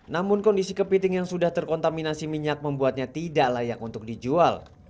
namun kondisi kepiting yang sudah terkontaminasi minyak membuatnya tidak layak untuk dijual